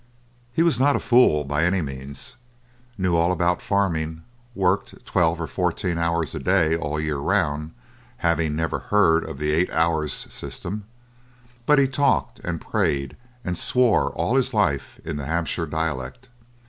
He was not a fool by any means; knew all about farming; worked twelve or fourteen hours a day all the year round, having never heard of the eight hours system; but he talked, and prayed, and swore all his life in the Hampshire dialect.